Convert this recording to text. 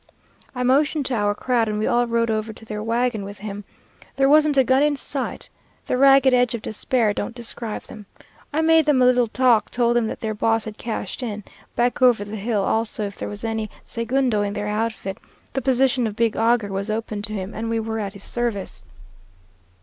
"I motioned to our crowd, and we all rode over to their wagon with him. There wasn't a gun in sight. The ragged edge of despair don't describe them. I made them a little talk; told them that their boss had cashed in, back over the hill; also if there was any segundo in their outfit, the position of big augur was open to him, and we were at his service.